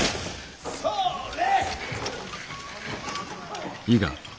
それ！